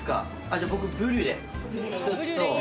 じゃあ僕ブリュレ。